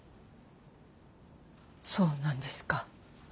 そうなんですか。